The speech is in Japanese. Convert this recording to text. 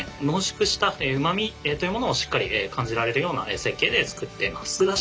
濃縮したうまみというものをしっかり感じられるような設計で作っています。